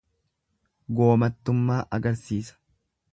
Goomattummaa agarsiisa.